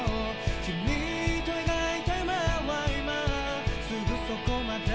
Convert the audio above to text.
「君と描いた夢は今すぐそこまで迫っている」